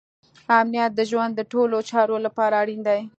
امنیت د ژوند د ټولو چارو لپاره اړین دی.